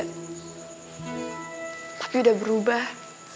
tapi udah berubah